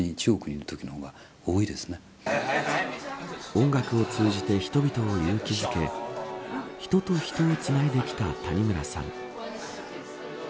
音楽を通じて人々を勇気づけ人と人をつないできた谷村さん。